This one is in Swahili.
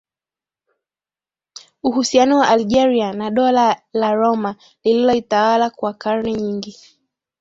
uhusiano wa Algeria na Dola la Roma lililoitawala kwa karne nyingi